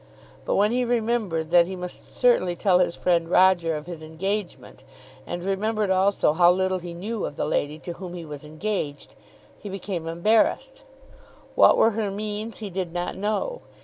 But when he remembered that he must certainly tell his friend Roger of his engagement, and remembered also how little he knew of the lady to whom he was engaged, he became embarrassed. What were her means he did not know.